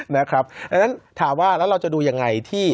นะครับดังนั้นถามว่าแล้วเราจะดูอย่างไรที่